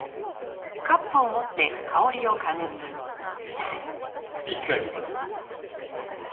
ああ生き返ります。